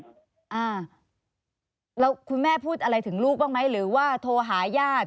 อ่าแล้วคุณแม่พูดอะไรถึงลูกบ้างไหมหรือว่าโทรหาญาติ